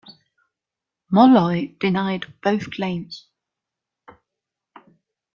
Molloy denied both claims.